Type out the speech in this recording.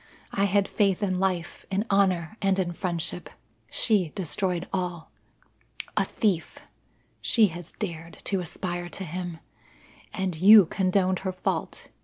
I had faith in life, in honour, and in friendship. She destroyed all. A thief she has dared to aspire to him! And you condoned her fault.